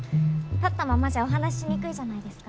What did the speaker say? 立ったままじゃお話ししにくいじゃないですか。